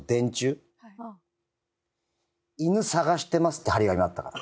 「犬探してます」って貼り紙あったから。